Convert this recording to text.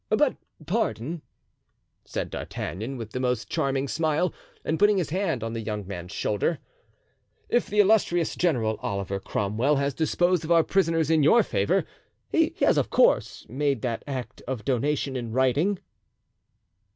"But, pardon," said D'Artagnan, with the most charming smile and putting his hand on the young man's shoulder, "if the illustrious General Oliver Cromwell has disposed of our prisoners in your favour, he has, of course, made that act of donation in writing."